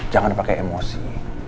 jangan pakai emosi